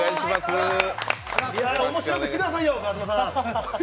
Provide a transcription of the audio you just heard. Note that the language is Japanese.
いや、面白くしてくださいよ、川島さん。